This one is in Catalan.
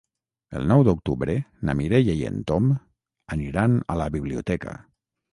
El nou d'octubre na Mireia i en Tom aniran a la biblioteca.